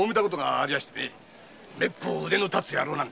めっぽう腕の立つ野郎なんで。